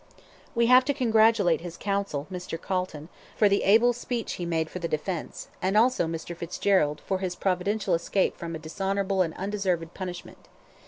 We have to congratulate his counsel, Mr. Calton, for the able speech he made for the defence, and also Mr. Fitzgerald, for his providential escape from a dishonourable and undeserved punishment.